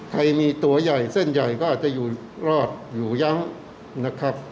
ใครมีตัวใหญ่เส้นใหญ่ก็อาจจะอยู่รอดอยู่ยั้งนะครับ